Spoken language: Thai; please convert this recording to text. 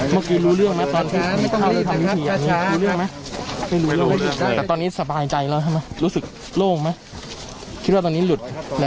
เมื่อกีย์รู้เรื่องนะ